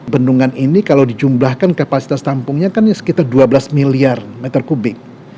bendungan ini kalau dijumlahkan kapasitas tampungnya kan sekitar dua belas miliar meter kubik